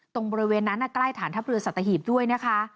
บริเวณนั้นใกล้ฐานทัพเรือสัตหีบด้วยนะคะ